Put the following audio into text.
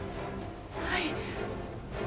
はい。